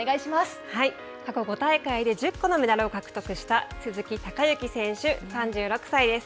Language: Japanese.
過去５大会で１０個のメダルを獲得した、鈴木孝幸選手、３６歳です。